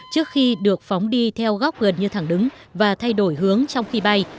trước khi được phóng đi theo góc gần như thẳng đứng và thay đổi hướng trong khi bay